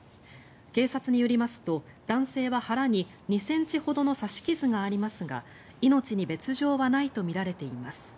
警察によりますと男性は腹に２ｃｍほどの刺し傷がありますが命に別条はないとみられています。